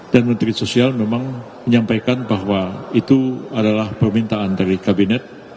dan menteri sosial memang menyampaikan bahwa itu adalah permintaan dari kabinet